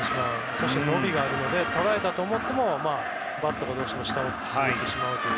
そして伸びがあるので捉えたと思ってもバットが下を振ってしまうという。